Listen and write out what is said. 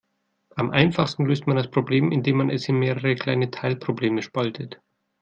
Am einfachsten löst man das Problem, indem man es in mehrere kleine Teilprobleme spaltet.